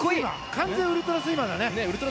完全ウルトラスイマーだね。